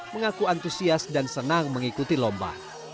mengaku antusias dan senang mengikuti lomba